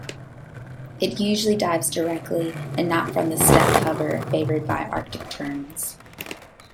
It usually dives directly, and not from the "stepped-hover" favoured by Arctic terns.